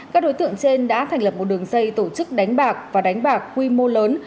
các đối tượng trên đã thành lập một đường dây tổ chức đánh bạc và đánh bạc quy mô lớn